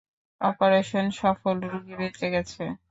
Operation সফল, রোগী বেঁচে গেছে।